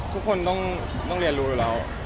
ทุกคนต้องเรียนรู้อยู่แล้ว